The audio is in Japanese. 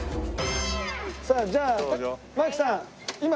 さあじゃあ槙さんはい。